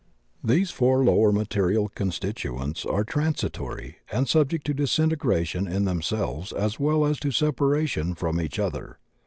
These four lower material constituents are transi tory and subject to disintegration in themselves as well as to separation from each other.